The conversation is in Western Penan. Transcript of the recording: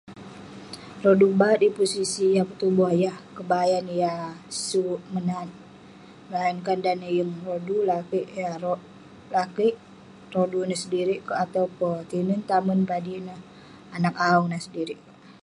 Rodu bat yeng pun sik sik yah petuboh, yah kebayan, yah..suk menat..bayangkan dan neh yeng rodu, lakeik yah lakeik..rodu neh sedirik kerk atau peh tinen tamen, padik neh, anag, aung nah sedirik kerk..